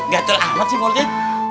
gatel amat sih mulutnya